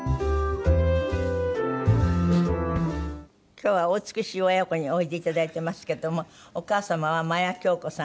今日はお美しい親子においでいただいてますけどもお母様は真野響子さん。